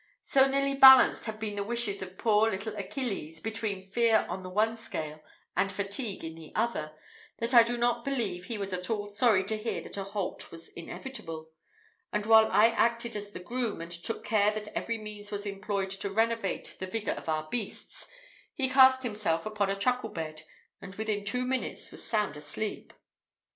So nearly balanced had been the wishes of poor little Achilles, between fear in the one scale, and fatigue in the other, that I do not believe he was at all sorry to hear that a halt was inevitable; and while I acted as the groom, and took care that every means was employed to renovate the vigour of our beasts, he cast himself upon a truckle bed, and within two minutes was sound asleep.